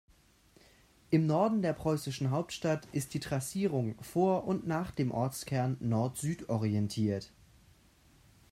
Im Norden der preußischen Hauptstadt ist die Trassierung vor und nach dem Ortskern nord-süd-orientiert.